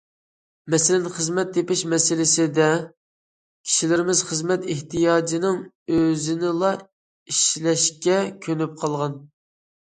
مەسىلەن، خىزمەت تېپىش مەسىلىسىدە كىشىلىرىمىز خىزمەت ئېھتىياجىنىڭ ئۆزىنىلا ئىشلەشكە كۆنۈپ قالغان.